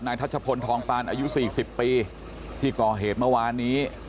ทัชพลทองปานอายุ๔๐ปีที่ก่อเหตุเมื่อวานนี้